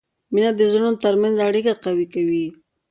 مینه د زړونو ترمنځ اړیکه قوي کوي.